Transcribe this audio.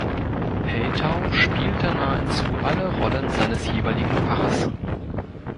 Heltau spielte nahezu alle Rollen seines jeweiligen Faches.